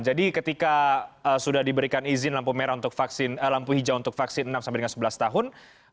jadi ketika sudah diberikan izin lampu hijau untuk vaksin enam sampai dengan sebelas tahun